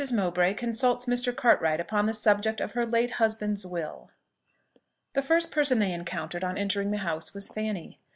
MOWBRAY CONSULTS MR. CARTWRIGHT UPON THE SUBJECT OF HER LATE HUSBAND'S WILL. The first person they encountered on entering the house was Fanny.